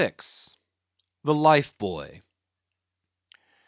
The Life Buoy.